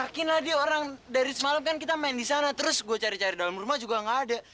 yakin lah dia orang dari semalam kan kita main disana terus gue cari cari dalam rumah juga gak ada